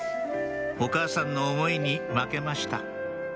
お母さんの思いに負けました